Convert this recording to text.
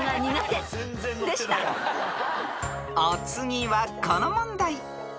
［お次はこの問題］